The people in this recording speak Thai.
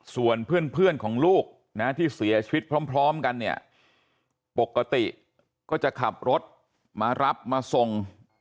ส่วนเพื่อนของลูกนะที่เสียชีวิตพร้อมกันเนี่ยปกติก็จะขับรถมารับมาส่ง